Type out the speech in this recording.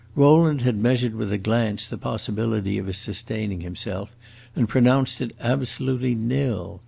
Rowland had measured with a glance the possibility of his sustaining himself, and pronounced it absolutely nil.